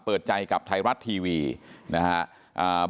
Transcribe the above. เปิดใจกับไทยรัฐทีวีนะครับ